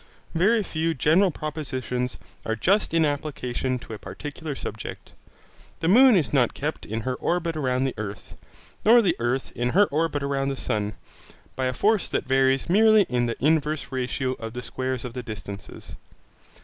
Very few general propositions are just in application to a particular subject. The moon is not kept in her orbit round the earth, nor the earth in her orbit round the sun, by a force that varies merely in the inverse ratio of the squares of the distances.